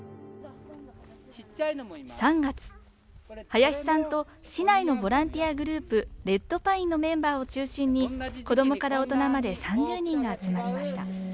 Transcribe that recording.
林さんと市内のボランティアグループレッドパインのメンバーを中心に子供から大人まで３０人が集まりました。